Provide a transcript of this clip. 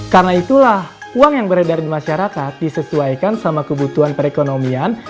karena itulah uang yang beredar di masyarakat disesuaikan sama kebutuhan perekonomian